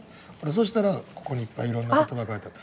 そうしたらここにいっぱいいろんな事が書いてある。